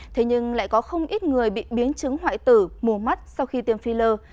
thế nhưng lại có không ít người bị biến chứng hoại tử mù mắt sau khi tiêm phi lơ